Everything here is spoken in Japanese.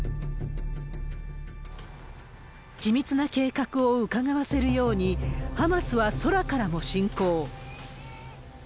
緻密な計画をうかがわせるように、ハマスは空からも侵攻。